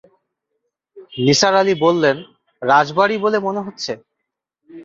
নিসার আলি বললেন, রাজবাড়ি বলে মনে হচ্ছে।